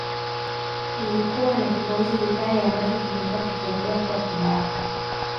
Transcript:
Nilikuwa na kikohozi kikali ambacho kimekuwa kikiendelea kuwa kibaya